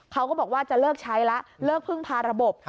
เขาก็บอกว่าจะเลิกใช้แล้วเลิกพึ่งพาระบบ